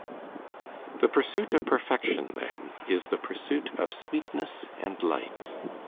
The pursuit of perfection, then, is the pursuit of sweetness and light.